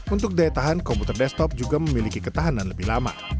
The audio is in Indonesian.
untuk daya tahan komputer desktop juga memiliki ketahanan lebih lama